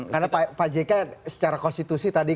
karena pak jk secara konstitusi tadi kan